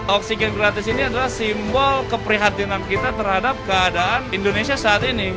oksigen gratis ini adalah simbol keprihatinan kita terhadap keadaan indonesia saat ini